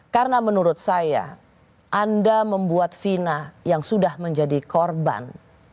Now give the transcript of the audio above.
karena menurut saya anda membuat vina yang sudah menjadi korban